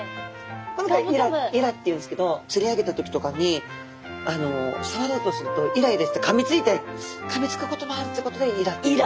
この子はイラっていうんですけどつり上げた時とかにさわろうとするとイライラしてかみつくこともあるってことでイラという。